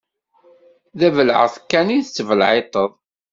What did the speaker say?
D abelεeṭ kan i tettbelεiṭed.